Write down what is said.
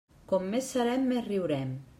Com més serem, més riurem.